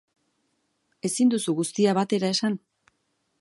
Ezin duzu guztia batera esan.